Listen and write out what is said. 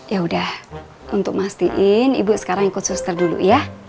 yaudah untuk mastiin ibu sekarang ikut suster dulu ya